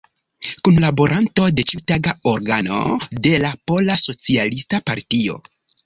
Kunlaboranto de ĉiutaga organo de la Pola Socialista Partio.